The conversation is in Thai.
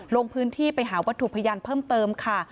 ลงพื้นที่ไปหาวัตถุพยานเพิ่มเติมค่ะ